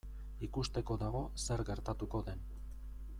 Ikusteko dago zer gertatuko den.